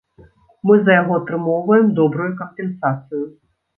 Мы за яго атрымоўваем добрую кампенсацыю.